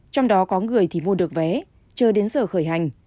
trong đó có người thì mua được vé chờ đến giờ khởi hành